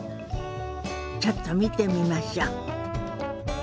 ちょっと見てみましょ。